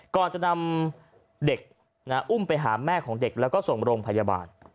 ก่อนจะนำเด็กอุ้มไปหาแม่ของเด็กแล้วก็ส่งโรงพยาบาล